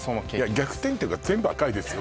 逆転っていうか全部赤いですよ